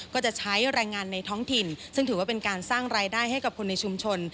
ก็จะใช้แรงงานในท้องถิ่นซึ่งถือว่าเป็นการสร้างรายได้ให้กับคนในชุมชน